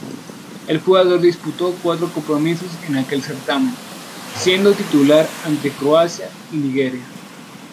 El jugador disputó cuatro compromisos en aquel certamen, siendo titular ante Croacia y Nigeria.